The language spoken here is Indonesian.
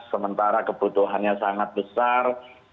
sementara kebutuhannya sangat besar